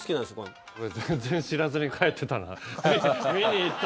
全然知らずに帰ってたな。